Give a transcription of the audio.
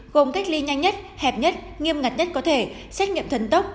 gồm cách ly nhanh nhất hẹp nhất nghiêm ngặt nhất có thể xét nghiệm thần tốc